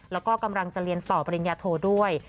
แล้วก็กำลังจะเรียนต่อปริญญาโทด้วย